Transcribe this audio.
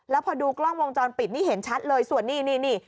แล้วพอดูกล้องวงจรปิดนี่เห็นชัดเลยส่วนนี้นี่